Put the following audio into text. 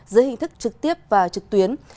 dưới hình thức trực tiếp và trực tuyến